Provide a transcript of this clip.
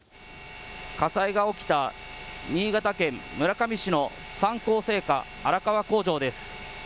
火災が起きた新潟県村上市の三幸製菓荒川工場です。